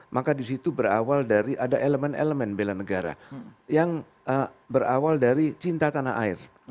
maka di situ ada elemen elemen bela negara yang berawal dari cinta tanah air